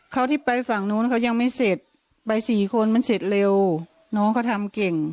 เขาที่ไปฝั่งนู้นเขายังไม่เสร็จไปสี่คนมันเสร็จเร็วน้องเขาทำเก่ง